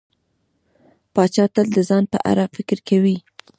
پاچا تل د ځان په اړه فکر کوي.